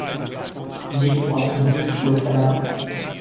Armee-Korps in Würzburg ernannt.